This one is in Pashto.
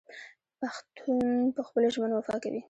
پښتون په خپلو ژمنو وفا کوي.